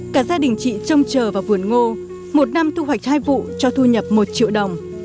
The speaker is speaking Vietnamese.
cả gia đình chị trông chờ vào vườn ngô một năm thu hoạch hai vụ cho thu nhập một triệu đồng